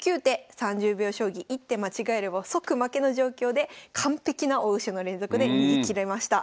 ３０秒将棋１手間違えれば即負けの状況で完璧な応手の連続で逃げきれました。